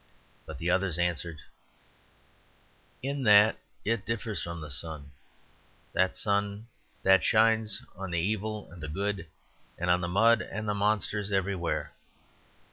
But the others answered, "In that it differs from the sun, that shines on the evil and the good and on mud and monsters everywhere.